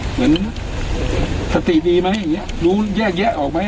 เหมือนสติดีมั้ยดูแยกออกมั้ยอะไรอย่างนี้